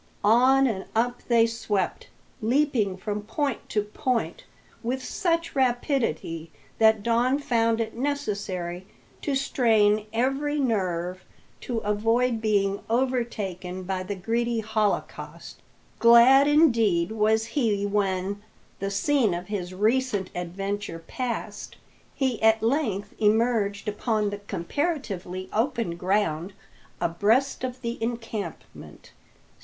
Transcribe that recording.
On and up they swept, leaping from point to point with such rapidity that Don found it necessary to strain every nerve to avoid being overtaken by the greedy holocaust. Glad indeed was he when, the scene of his recent adventure passed, he at length emerged upon the comparatively open ground abreast of the encampment.